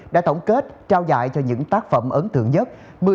đã tổng kết trao giải cho những tác phẩm ấn tượng nhất